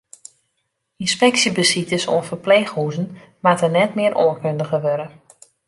Ynspeksjebesites oan ferpleechhûzen moatte net mear oankundige wurde.